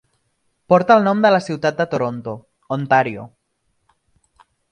Porta el nom de la ciutat de Toronto, Ontario.